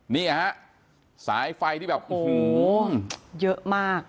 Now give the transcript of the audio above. นี่ฮะสายไฟที่แบบโอ้โหเยอะมาก